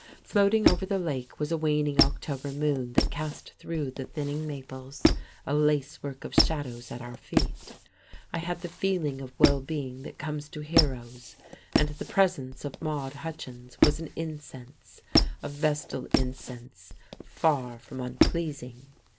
Floating over the lake was a waning October moon that cast through the thinning maples a lace work of shadows at our feet; I had the feeling of well being that comes to heroes, and the presence of Maude Hutchins was an incense, a vestal incense far from unpleasing.